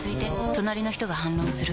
隣の人が反論する。